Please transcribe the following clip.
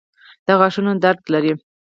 د غاښونو درد لرئ؟